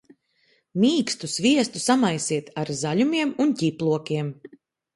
Mīkstu sviestu samaisiet ar zaļumiem un ķiplokiem.